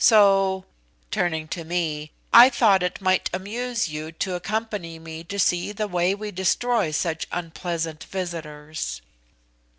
So," (turning to me) "I thought it might amuse you to accompany me to see the way we destroy such unpleasant visitors."